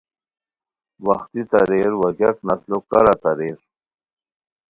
وختی تارئیر وا گیاک نسلو کارہ تارئیر